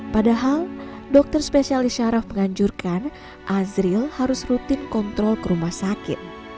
padahal dokter spesialis syaraf menganjurkan azril harus rutin kontrol ke rumah sakit